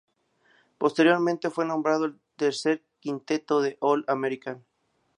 Posteriormente fue nombrado en el tercer quinteto del All-American.